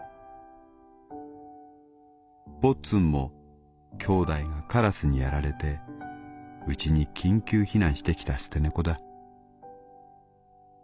「ぼっつんも兄弟がカラスにやられてうちに緊急避難してきた捨て猫だ」。